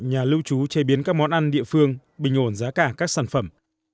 nhà lưu trú chế biến các món ăn địa phương bình ổn giá cả các sản phẩm